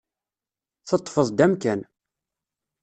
Teṭṭfeḍ-d amkan.